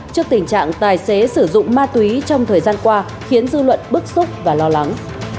trước tình trạng tài xế sử dụng ma túy trong thời gian qua khiến dư luận bức xúc và lo lắng